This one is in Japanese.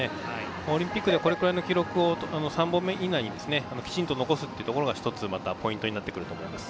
オリンピックでこれくらいの記録を３本以内にきちんと残すことが１つまたポイントになってくると思います。